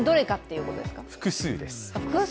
複数です。